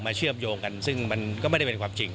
และก็ถึงสนิมว่า